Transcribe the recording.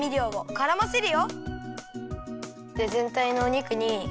からませる。